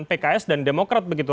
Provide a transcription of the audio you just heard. pks dan demokrat begitu